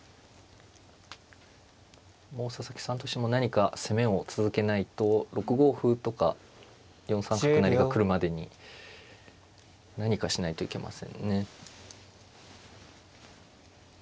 もう佐々木さんとしても何か攻めを続けないと６五歩とか４三角成が来るまでに何かしないといけませんね。